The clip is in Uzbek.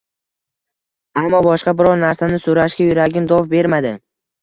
Ammo boshqa biror narsani so‘rashga yuragim dov bermadi.